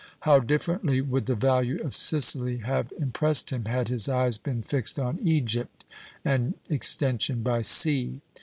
How differently would the value of Sicily have impressed him, had his eyes been fixed on Egypt and extension by sea.